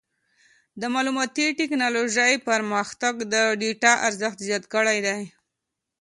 د معلوماتي ټکنالوجۍ پرمختګ د ډیټا ارزښت زیات کړی دی.